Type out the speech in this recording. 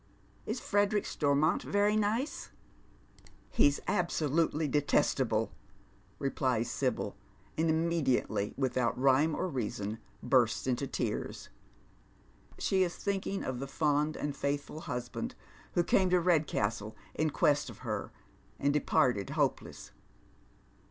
Is Frederick Stormont very nice ?"" He's absolutely detestable," replies Sibyl, and immediately witliout rhyoK! or reason bursts into tears. She is thinking of the fond and faithful husband who came to Kedcastle inquest of her, and departed hopeless.